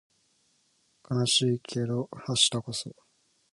悲しいけど明日こそ